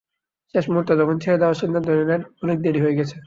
শেষ মুহূর্তে যখন ছেড়ে দেওয়ার সিদ্ধান্ত নিলেন, অনেক দেরি হয়ে গেছে।